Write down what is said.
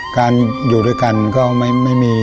การอยู่ด้วยกันก็ไม่มี